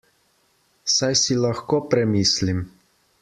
Saj si lahko premislim!